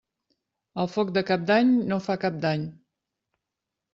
El foc de Cap d'Any no fa cap dany.